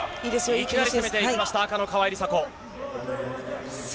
いきなり攻めていった赤の川井梨紗子。